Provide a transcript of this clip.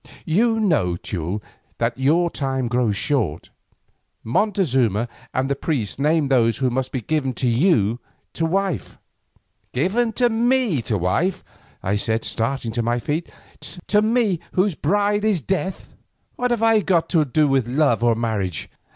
You know, Teule, that your time grows short. Montezuma and the priests name those who must be given to you to wife." "Given me to wife!" I said starting to my feet; "to me whose bride is death! What have I to do with love or marriage?